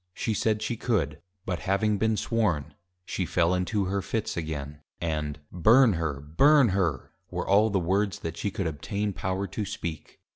She said, she could; but having been Sworn, she fell into her Fits again, and, Burn her! Burn her! were all the words that she could obtain power to speak.